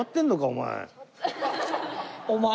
お前。